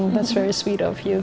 aw itu sangat manis dari kamu